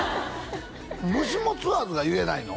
「もしもツアーズ」が言えないの？